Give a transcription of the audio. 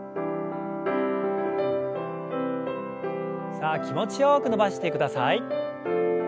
さあ気持ちよく伸ばしてください。